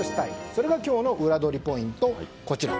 それが今日のウラどりポイント。